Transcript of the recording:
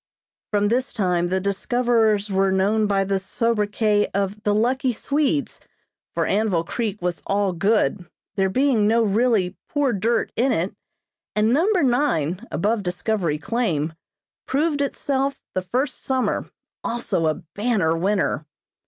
From this time the discoverers were known by the sobriquet of the "Lucky Swedes," for Anvil Creek was all good, there being no really "poor dirt" in it, and number nine, above Discovery Claim, proved itself, the first summer, also a banner winner.